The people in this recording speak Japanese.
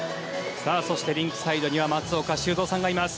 そして、リンクサイドには松岡修造さんがいます。